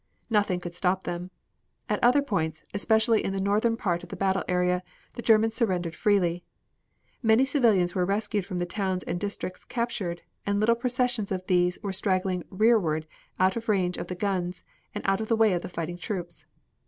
Nothing could stop them. At other points, especially in the northern part of the battle area, the Germans surrendered freely. Many civilians were rescued from the towns and districts captured, and little processions of these were straggling rearward out of range of the guns, and out of the way of the fighting troops.